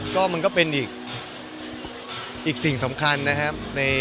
ก็มันก็เป็นอีกสิ่งสำคัญนะครับ